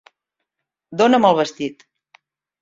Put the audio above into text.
Dóna'm el vestit!